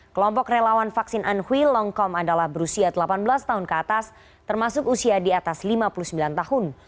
kelompok relawan vaksin anhui longkong adalah berusia delapan belas tahun ke atas termasuk usia di atas lima puluh sembilan tahun